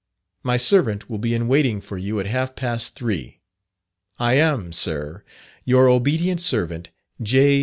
My servant will be in waiting for you at half past three. I am, sir, your obedt. servant, J.